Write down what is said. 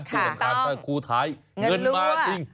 ที่สำคัญถ้าคู่ท้ายเงินมาจริง